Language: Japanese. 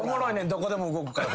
どこでも動くから。